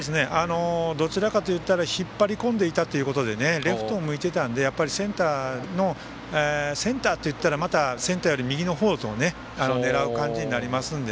どちらかといったら引っ張り込んでいたっていうことでレフト向いてたのでセンターといったらまたセンターより右の方を狙う感じになりますので。